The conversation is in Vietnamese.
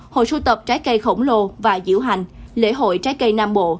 hội sưu tập trái cây khổng lồ và diễu hành lễ hội trái cây nam bộ